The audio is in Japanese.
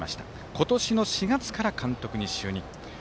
今年の４月から監督に就任。